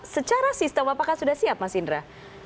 secara sistem apakah sudah siap mas indra